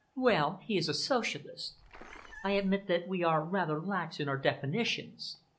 "Well, he is a Socialist. I admit that we are rather lax in our definitions.